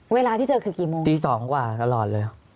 เวลาที่เจอคือกี่โมงตี๒กว่าตลอดเลย